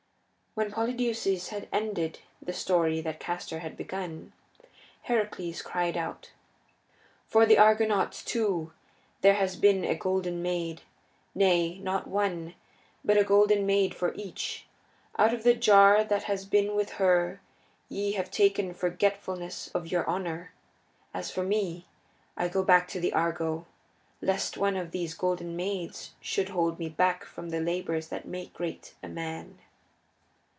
When Polydeuces had ended the story that Castor had begun, Heracles cried out: "For the Argonauts, too, there has been a Golden Maid nay, not one, but a Golden Maid for each. Out of the jar that has been with her ye have taken forgetfulness of your honor. As for me, I go back to the Argo lest one of these Golden Maids should hold me back from the labors that make great a man."